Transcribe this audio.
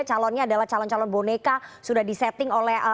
calonnya adalah calon calon boneka sudah disetting oleh